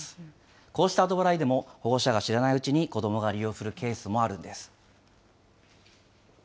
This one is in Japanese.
こうした後払いでも、保護者が知らないうちに子どもが利用するケースもあるんです。